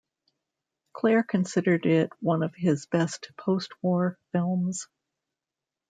Clair considered it one of his best post-war films.